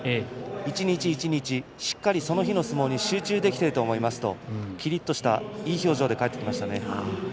一日一日しっかりその日の相撲に集中できていると思いますときりっとしたいい表情で帰ってきました。